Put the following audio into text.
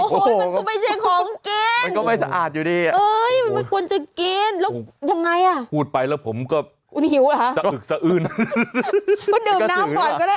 โอ้โหมันก็ไม่ใช่ของกินมันก็ไม่สะอาดอยู่ดี